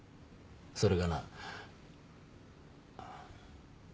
それがな。